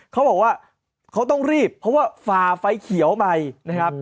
เขาบอกว่าเขาต้องรีบเพราะว่าฝ่าไฟเขียวใหม่นะครับ